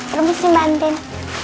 permisi mbak andin